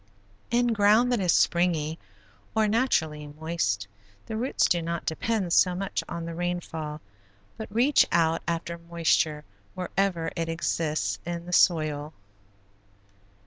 In ground that is springy, or naturally moist, the roots do not depend so much on the rainfall but reach out after moisture wherever it exists in the soil.